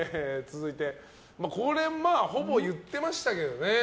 これはほぼ言ってましたけどね。